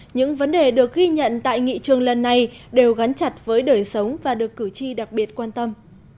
những vấn đề được ghi nhận tại nghị trường lần này đều gắn chặt với đời sống và được cử tri đặc biệt quan tâm